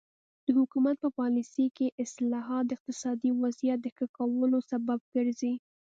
د حکومت په پالیسۍ کې اصلاحات د اقتصادي وضعیت د ښه کولو سبب ګرځي.